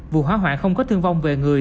vụ hóa hoạ không có thương vong về người